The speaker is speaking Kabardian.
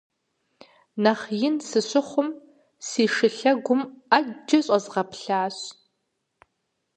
Нэхъ ин сыщыхъум, си шы лъэгум Ӏэджэ щӀэзгъэплъащ.